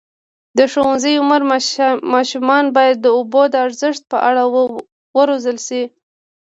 د ښوونځي عمر ماشومان باید د اوبو د ارزښت په اړه وروزل شي.